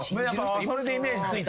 それでイメージついた。